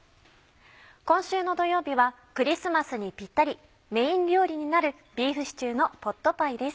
今週の土曜日はクリスマスにピッタリメイン料理になる「ビーフシチューのポットパイ」です。